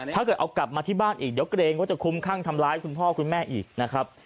ถ้าเกิดเอากลับมาที่บ้านอีกเดี๋ยวเกรงว่าจะคุ้มข้างทำร้ายคุณพ่อคุณแม่อีกนะครับ